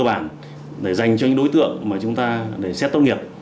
cơ bản để dành cho những đối tượng mà chúng ta để xét tốt nghiệp